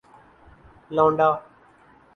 لونڈا